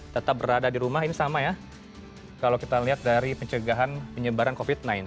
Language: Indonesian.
tetap berada di rumah ini sama ya kalau kita lihat dari pencegahan penyebaran covid sembilan belas